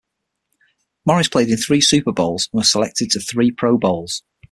Morris played in three Super Bowls and was selected to three Pro Bowls.